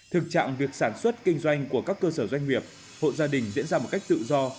thực trạng việc sản xuất kinh doanh của các cơ sở doanh nghiệp hộ gia đình diễn ra một cách tự do